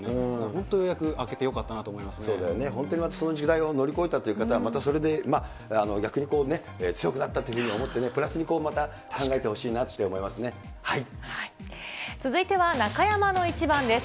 本当、ようやく明けてよかったなそうだよね、本当にまたその時代を乗り越えたという方は、またそれで逆に強くなったというふうに思ってね、プラスにまた考えてほしいなと思続いては中山のイチバンです。